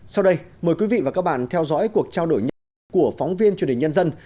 sau đây mời quý vị và các bạn theo dõi cuộc trao đổi nhanh của phóng viên truyền hình nhân dân